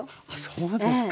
そうですか。